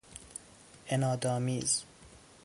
عنادآمیز